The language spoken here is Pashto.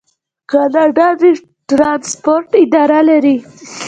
کاناډا د ټرانسپورټ اداره لري.